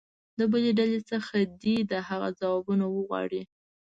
د بلې ډلې څخه دې د هغو ځوابونه وغواړي.